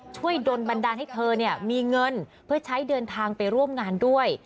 ดนบันดาลให้เธอมีเงินเพื่อใช้เดินทางไปร่วมงานด้วย